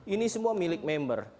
ini semua milik member